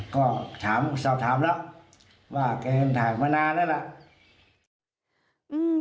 ก็สอบถามแล้วว่าเคยถามมานานแล้วแหละ